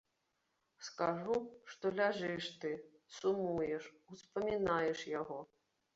Скажу, што ляжыш ты, сумуеш, успамінаеш яго.